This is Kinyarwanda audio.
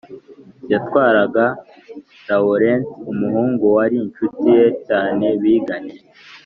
Yatwaraga Lawurenti umuhungu wari incuti ye cyane biganye